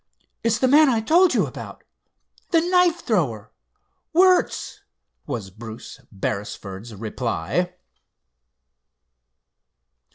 "It's the man I told you about—the knife thrower, Wertz," was Bruce Beresford's reply.